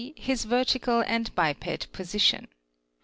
His vertical and biped position.